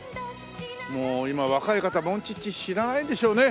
もう今若い方モンチッチ知らないんでしょうね。